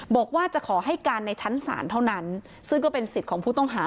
บอกว่าจะขอให้การในชั้นศาลเท่านั้นซึ่งก็เป็นสิทธิ์ของผู้ต้องหา